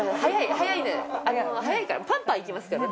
早いからパンパンいきますからね。